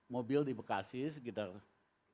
mobil di bekasi sekitar dua miliar dolar